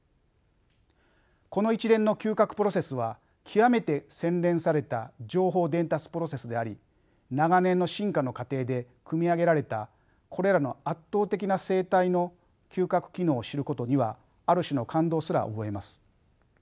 この一連の嗅覚プロセスは極めて洗練された情報伝達プロセスであり長年の進化の過程で組み上げられたこれらの圧倒的な生体の嗅覚機能を知ることにはある種の感動すら覚えます。